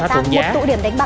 hóa thủng giá